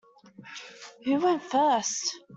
Who went first?